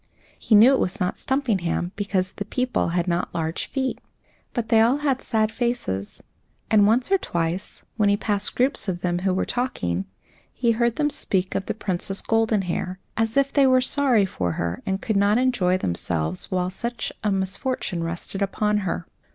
He knew it was not Stumpinghame, because the people had not large feet. But they all had sad faces, and once or twice, when he passed groups of them who were talking, he heard them speak of the Princess Goldenhair, as if they were sorry for her and could not enjoy themselves while such a misfortune rested upon her.